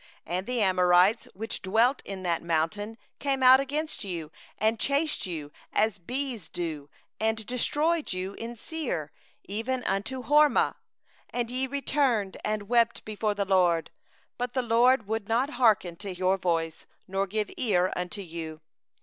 44And the Amorites, that dwell in that hill country, came out against you, and chased you, as bees do, and beat you down in Seir, even unto Hormah. 45And ye returned and wept before the LORD; but the LORD hearkened not to your voice, nor gave ear unto you.